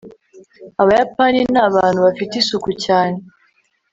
Abayapani ni abantu bafite isuku cyane